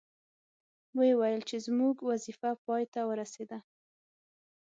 وې ویل چې زموږ وظیفه پای ته ورسیده.